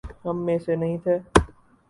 ہم میں سے نہیں تھے؟